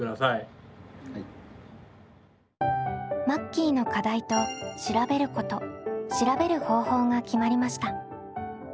マッキーの課題と調べること調べる方法が決まりました。